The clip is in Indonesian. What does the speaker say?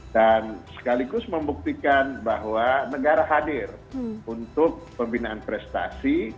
dan sekaligus membuktikan bahwa negara hadir untuk pembinaan prestasi